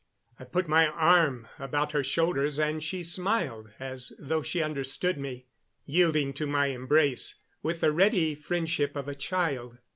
I put my arm about her shoulders, and she smiled as though she understood me, yielding to my embrace with the ready friendship of a child.